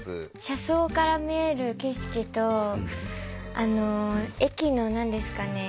車窓から見える景色と駅の何ですかね